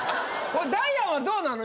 ダイアンはどうなの？